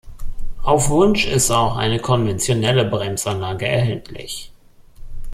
Auf Wunsch ist auch eine konventionelle Bremsanlage erhältlich.